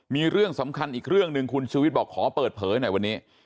มีเรื่องสำคัญอีกเรื่องหนึ่งคุณชูวิทย์บอกขอเปิดเผยหน่อยวันนี้